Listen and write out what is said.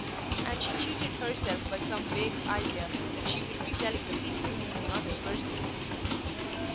And she cheated herself by some vague idea that she would be telling the secrets of another person.